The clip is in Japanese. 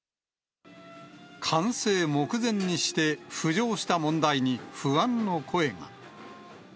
完成目前にして、浮上した問題に不安の声が。